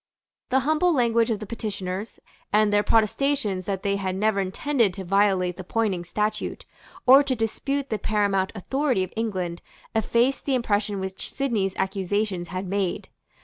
The humble language of the petitioners, and their protestations that they had never intended to violate the Poynings statute, or to dispute the paramount authority of England, effaced the impression which Sidney's accusations had made.